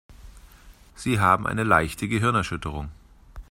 Sie haben eine leichte Gehirnerschütterung.